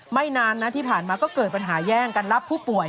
ไม่นานนะที่ผ่านมาก็เกิดปัญหาแย่งกันรับผู้ป่วย